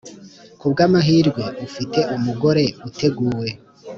kubwamahirwe ufite umugore uteguwe